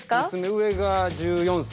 上が１４歳。